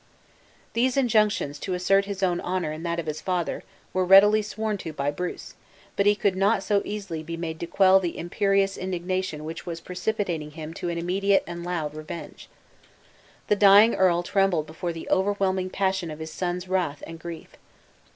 These injunctions to assert his own honor and that of his father, were readily sworn to by Bruce; but he could not so easily be made to quell the imperious indignation which was precipitating him to an immediate and loud revenge. The dying earl trembled before the overwhelming passion of his son's wrath and grief.